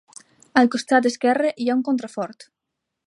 Al costat esquerre hi ha un contrafort.